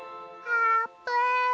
あーぷん？